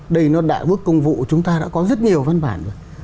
đây nó đã bước công vụ chúng ta đã có rất nhiều văn bản rồi